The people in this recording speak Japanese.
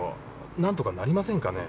なんとかなりませんかね。